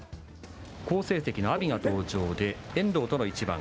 好成績の阿炎が登場で、遠藤との一番。